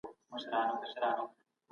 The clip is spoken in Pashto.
حق ویل د مسلک او ذهني رویې نوم دی.